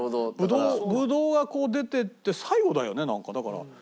ブドウがこう出ていって最後だよねなんかだから。